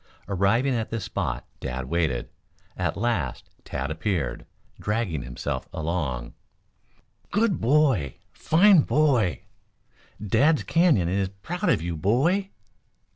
Arriving at this spot, Dad waited. At last Tad appeared, dragging himself along. "Good boy! Fine boy! Dad's Canyon is proud of you, boy!"